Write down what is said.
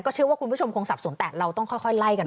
เชื่อว่าคุณผู้ชมคงสับสนแต่เราต้องค่อยไล่กัน